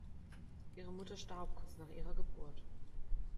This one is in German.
Ihre Mutter starb kurz nach ihrer Geburt.